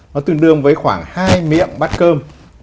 nó tương đương với khoảng hai miệng bát cơm